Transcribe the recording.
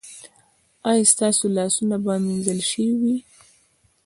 ایا ستاسو لاسونه به مینځل شوي وي؟